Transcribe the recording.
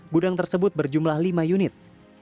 gudang tersebut berjumlah lima unit